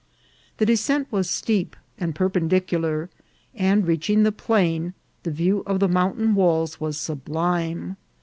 The descent was steep and perpendicular, and, reach ing the plain, the view of the mountain walls was sub lime.